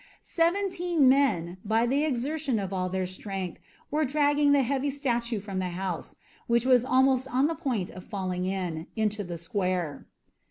Seventeen men, by the exertion of all their strength, were dragging the heavy statue from the house, which was almost on the point of falling in, into the square.